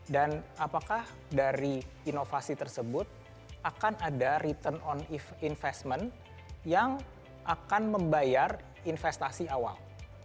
dan apakah dari inovasi tersebut akan ada return on investment yang akan membayar investasi awal